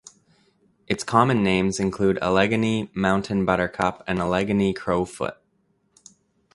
Its common names include Allegheny Mountain buttercup and Allegheny crowfoot.